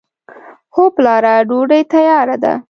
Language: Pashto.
هو پلاره! ډوډۍ تیاره ده.